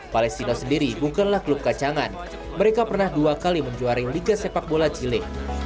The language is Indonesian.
palestina sendiri bukanlah klub kacangan mereka pernah dua kali menjuari liga sepak bola chile